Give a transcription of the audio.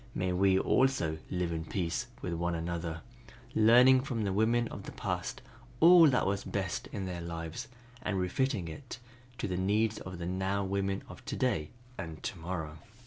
May we also live in peace with one another, learning from the women of the past all that was best in their lives and refitting it to the needs of the now women of to day and to morrow."